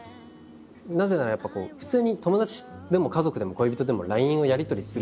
なぜならやっぱ普通に友達でも家族でも恋人でもＬＩＮＥをやり取りするじゃないですか。